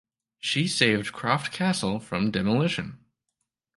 She saved Croft Castle from demolition.